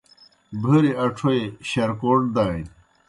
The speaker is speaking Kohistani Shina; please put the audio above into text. بھوریْ اڇوئی شرکوٹ دانیْ۔